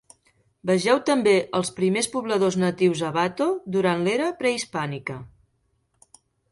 Vegeu també Els primers pobladors natius a Bato durant l'era prehispànica.